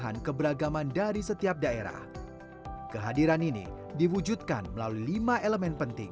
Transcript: setelah berwchyat dengan setelah berjalan hotel indonesia group menargetkan menjadi hotel operator terbesar ketiga